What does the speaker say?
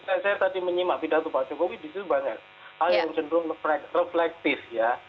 saya tadi menyimak pidato pak zulkifli di situ banyak hal yang cenderung reflektif ya